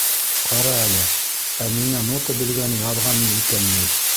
Ҡара әле... ә миңә нота белгәне яҙғанмы икән ни?